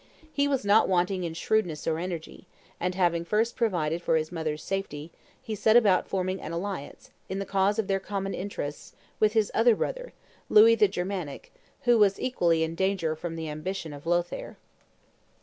He was not wanting in shrewdness or energy; and, having first provided for his mother's safety, he set about forming an alliance, in the cause of their common interests, with his other brother, Louis the Germanic, who was equally in danger from the ambition of Lothaire.